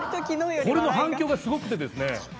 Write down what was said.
これの反響がすごくてですね